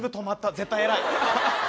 絶対偉い。